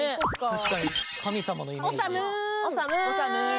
確かに神様のイメージおさむん！